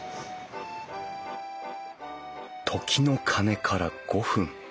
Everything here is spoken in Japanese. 時の鐘から５分。